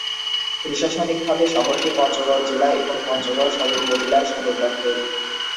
প্রশাসনিকভাবে শহরটি পঞ্চগড় জেলা এবং পঞ্চগড় সদর উপজেলার সদর দফতর।